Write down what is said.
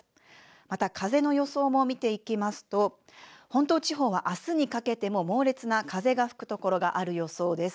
また風の予想も見ていきますと本島地方はあすにかけても猛烈な風が吹く所がある予想です。